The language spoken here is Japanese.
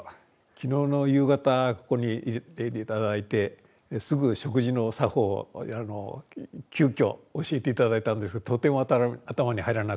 昨日の夕方ここに入れて頂いてすぐ食事の作法を急きょ教えて頂いたんですがとても頭に入らなくて。